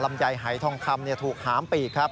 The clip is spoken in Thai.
ลำไยหายทองคำถูกหามปีกครับ